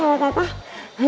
nggak jadi pak nggak jadi